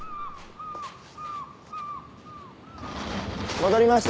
戻りました！